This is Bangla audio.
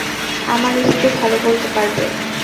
আমার স্ত্রী ভালো বলতে পারবে!